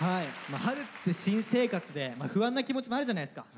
春って新生活で不安な気持ちもあるじゃないですか。